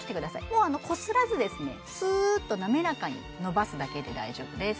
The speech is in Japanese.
もうこすらずスーッと滑らかにのばすだけで大丈夫です